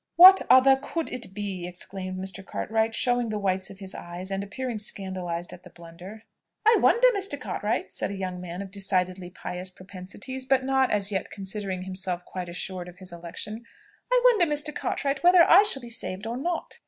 "What other could it be!" exclaimed Mr. Cartwright, showing the whites of his eyes, and appearing scandalized at the blunder. "I wonder, Mr. Cartwright," said a young man of decidedly pious propensities, but not as yet considering himself quite assured of his election, "I wonder, Mr. Cartwright, whether I shall be saved or not?"